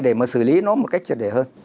để mà xử lý nó một cách triệt để hơn